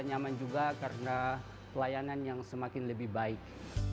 nyaman juga karena pelayanan yang semakin lebih baik